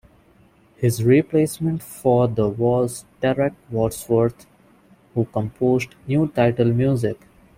His replacement for the was Derek Wadsworth, who composed new title music.